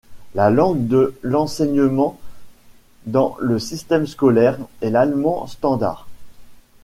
La langue de l'enseignement dans le système scolaire est l'allemand standard.